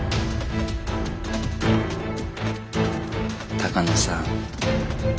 鷹野さん。